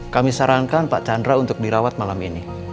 kami sarankan pak chandra untuk dirawat malam ini